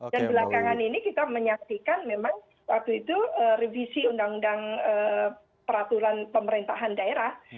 dan belakangan ini kita menyaksikan memang waktu itu revisi undang undang peraturan pemerintahan daerah